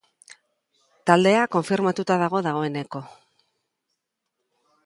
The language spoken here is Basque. Taldea konfirmatuta dago dagoeneko.